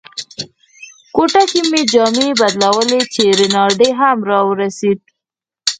کوټه کې مې جامې بدلولې چې رینالډي هم را ورسېد.